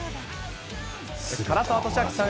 唐沢寿明さん